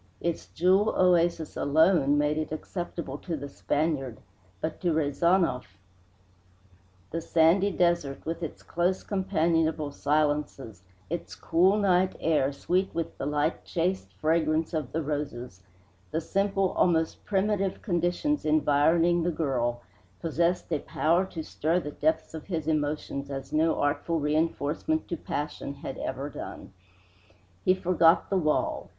Its jewel oasis alone made it acceptable to the Spaniard, but to Rezanov the sandy desert, with its close companionable silences, its cool night air sweet with the light chaste fragrance of the roses, the simple, almost primitive, conditions environing the girl, possessed a power to stir the depths of his emotions as no artful reinforcement to passion had ever done. He forgot the wall.